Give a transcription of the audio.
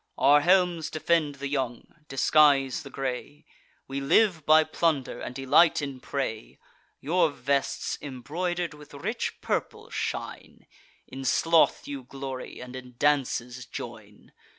Our helms defend the young, disguise the gray: We live by plunder, and delight in prey. Your vests embroider'd with rich purple shine; In sloth you glory, and in dances join.